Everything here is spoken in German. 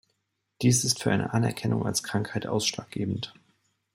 Dies ist für eine Anerkennung als Krankheit ausschlaggebend.